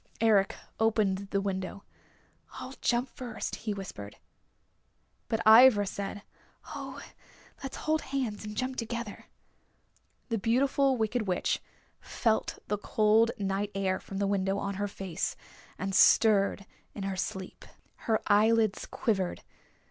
Eric opened the window. "I'll jump first," he whispered. But Ivra said, "Oh, let's hold hands and jump together." The Beautiful Wicked Witch felt the cold night air from the window on her face, and stirred in her sleep. Her eyelids quivered.